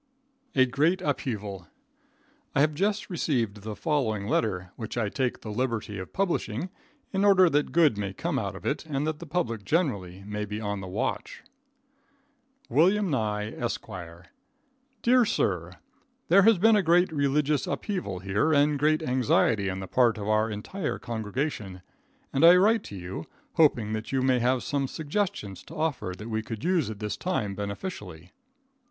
A Great Upheaval. I have just received the following letter, which I take the liberty of publishing, in order that good may come out of it, and that the public generally may be on the watch: William Nye, Esq. Dear Sir: There has been a great religious upheaval here, and great anxiety on the part of our entire congregation, and I write to you, hoping that you may have some suggestions to offer that we could use at this time beneficially.